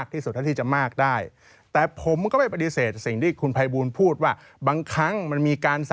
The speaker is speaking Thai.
นี่เคยบวชอ๋อนี่ท่านดี